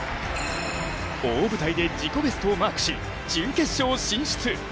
大舞台で自己ベストをマークし準決勝進出。